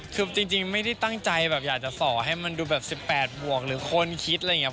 คือจริงไม่ได้ตั้งใจแบบอยากจะส่อให้มันดูแบบ๑๘บวกหรือคนคิดอะไรอย่างนี้